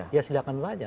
ya silahkan saja